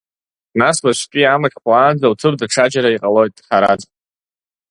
Нас, уаҵәтәи амыш хәлаанӡа уҭыԥ даҽаџьара иҟалоит, Ҳараз!